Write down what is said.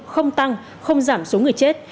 không tăng không giảm số người chết